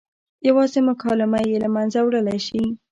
یوازې مکالمه یې له منځه وړلی شي.